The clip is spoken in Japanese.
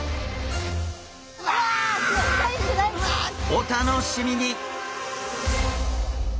お楽しみに！